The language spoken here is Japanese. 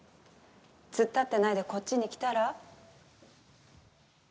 突っ立ってないでこっちに来たら？